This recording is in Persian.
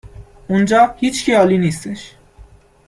اونجا هیچکی عالی نیستش